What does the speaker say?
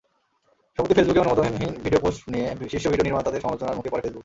সম্প্রতি ফেসবুকে অনুমোদনহীন video post নিয়ে শীর্ষ ভিডিও নির্মাতাদের সমালোচনার মুখে পড়ে ফেসবুক।